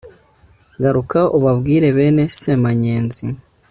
garuka ubabwire bene semanyenzi